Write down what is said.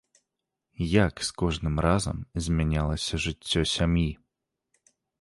Як з кожным разам змянялася жыццё сям'і?